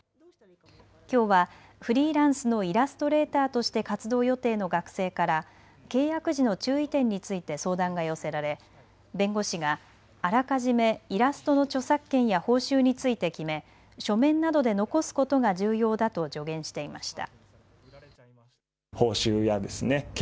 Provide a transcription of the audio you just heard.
きょうはフリーランスのイラストレーターとして活動予定の学生から契約時の注意点について相談が寄せられ弁護士があらかじめイラストの著作権や報酬について決め書面などで残すことが重要だと助言していました。